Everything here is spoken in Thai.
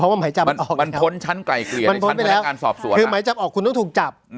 มันพ้นชั้นไกลเกลียมันพ้นไปแล้วคือหมายจับออกคุณต้องถูกจับ